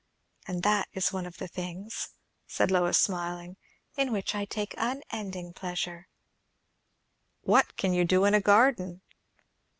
And that is one of the things," added Lois, smiling, "in which I take unending pleasure." "What can you do in a garden?"